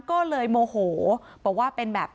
ก็เลยโมโหบอกว่าเป็นแบบ